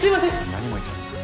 何も言ってません。